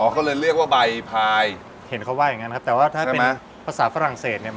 อ๋อเขาเลยเรียกว่าใบพาย